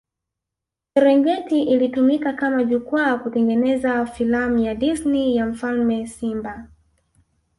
Serengeti ilitumika kama jukwaa kutengeneza filamu ya Disney ya mfalme simba